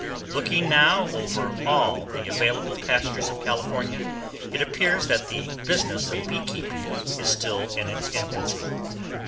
Looking now over all the available pastures of California, it appears that the business of beekeeping is still in its infancy.